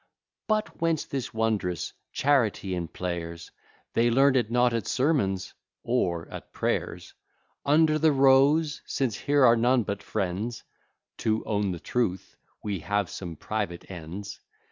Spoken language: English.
But whence this wondrous charity in players? They learn it not at sermons, or at prayers: Under the rose, since here are none but friends, (To own the truth) we have some private ends.